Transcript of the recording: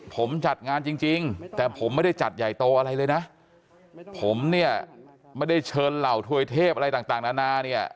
ผมจัดงานจริงแต่ผมไม่ได้จัดใหญ่โตอะไรเลยนะผมเนี่ยไม่ได้เชิญเหล่าถวยเทพอะไรต่างนานาเนี่ย